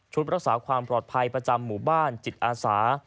รักษาความปลอดภัยประจำหมู่บ้านจิตอาสา